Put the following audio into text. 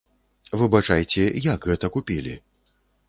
Выбачайце, як гэта купілі?